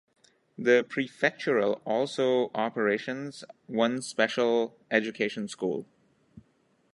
The prefectural also operations one special education school.